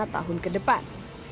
empat tahun ke depan